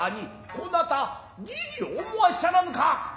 こなた義理を思わっしゃらぬか。